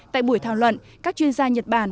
tại buổi thảo luận các chuyên gia nhật bản